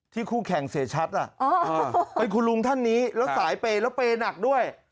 คู่แข่งเสียชัดเป็นคุณลุงท่านนี้แล้วสายเปย์แล้วเปย์หนักด้วย